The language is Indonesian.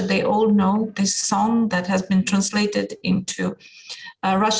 mereka semua tahu lagu yang telah ditulis